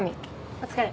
お疲れ。